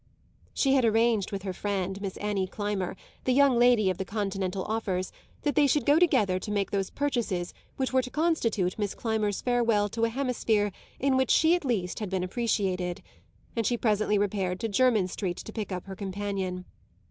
She had arranged with her friend Miss Annie Climber, the young lady of the continental offers, that they should go together to make those purchases which were to constitute Miss Climber's farewell to a hemisphere in which she at least had been appreciated; and she presently repaired to Jermyn Street to pick up her companion.